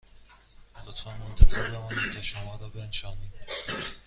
لطفاً منتظر بمانید تا شما را بنشانیم